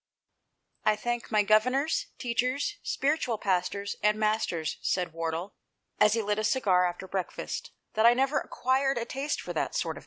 "I thank my governors, teachers, spiritual pastors, and masters," said Wardle, as he lit a cigar after breakfast, "that I never acquired a taste for that sort of thing."